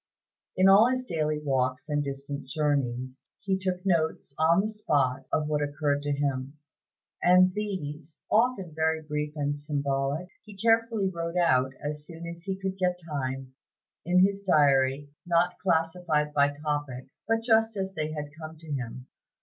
In all his daily walks and distant journeys, he took notes on the spot of what occurred to him, and these, often very brief and symbolic, he carefully wrote out, as soon as he could get time, in his diary, not classified by topics, but just as they had come to him.